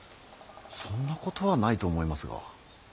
そんなことはないと思いますが。